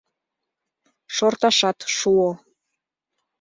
Шорташат шуо.